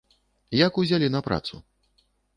Як узялі на працу?